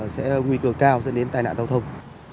sẽ nguy cơ cao dẫn đến tai nạn giao thông